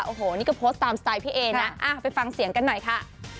โอ้โหนี่ก็โพสต์ตามสไตล์พี่เอนะไปฟังเสียงกันหน่อยค่ะ